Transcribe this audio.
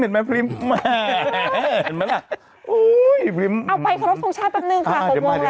เอาไปครบทรงชาติแป๊บหนึ่งค่ะ๖โมงแล้ว